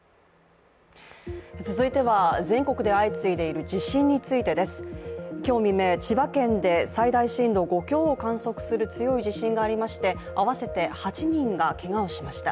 続いては、全国で相次いでいる地震についてです。今日未明、千葉県で最大震度５強を観測する強い地震がありまして合わせて８人がけがをしました。